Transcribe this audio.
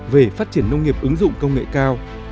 về phát triển nông nghiệp ứng dụng công nghệ cao